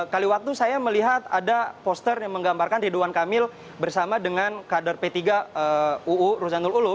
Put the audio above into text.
kali waktu saya melihat ada poster yang menggambarkan ridwan kamil bersama dengan kader p tiga uu ruzanul ulu